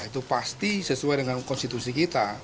itu pasti sesuai dengan konstitusi kita